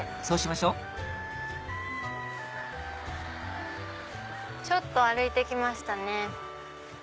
そうしましょちょっと歩いて来ましたね。